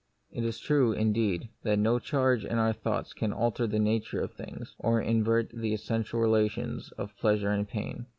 It is true, indeed, that no change in our thoughts can alter the nature of things, or invert the essential relations of pleasure and pain.